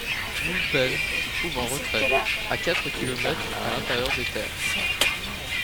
Wulpen se trouve en retrait, à quatre kilomètres à l'intérieur des terres.